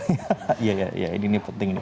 iya ini penting